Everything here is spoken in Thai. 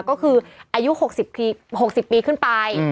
ก็คืออายุ๖๐ปีขึ้นไป